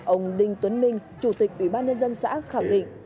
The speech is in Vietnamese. ông đinh tuấn minh chủ tịch ủy ban nhân dân xã khả ngịnh